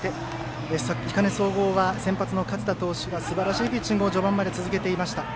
彦根総合は先発の勝田投手がすばらしいピッチングを序盤まで続けていました。